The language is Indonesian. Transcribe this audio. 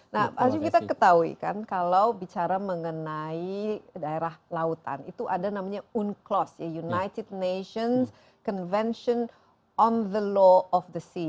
nah pak hasyu kita ketahui kan kalau bicara mengenai daerah lautan itu ada namanya unclos ya united nations convention on the law of the sea